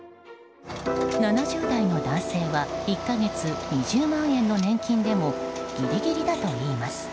７０代の男性は１か月、２０万円の年金でもギリギリだといいます。